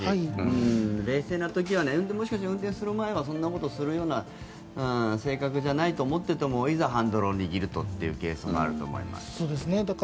冷静な時はいいけど運転する時はそんなことするような性格じゃないと思っててもいざハンドルを握るとというケースもあると思います。